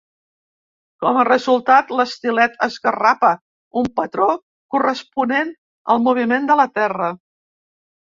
Com a resultat l'estilet esgarrapa un patró corresponent al moviment de la Terra.